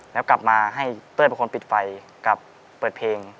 แล้วกลับมาให้เป้ยเป็นคนปิดไฟกลับเปิดเพลง